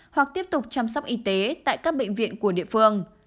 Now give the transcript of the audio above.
góp y tế tại các bệnh viện của địa phương